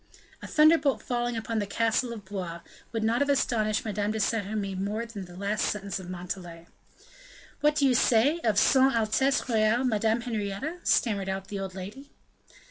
A thunderbolt falling upon the castle of Blois would not have astonished Madame de Saint Remy more than the last sentence of Montalais. "What do you say? of Son Altesse Royale Madame Henrietta?" stammered out the old lady.